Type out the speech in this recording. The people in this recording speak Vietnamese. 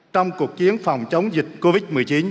trong cuộc chiến phòng chống dịch covid một mươi chín